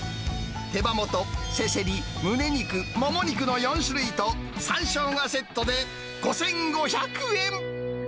手羽元、せせり、むね肉、もも肉の４種類と、さんしょうがセットで５５００円。